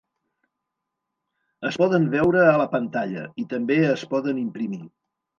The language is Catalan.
Es poden veure a la pantalla i també es poden imprimir.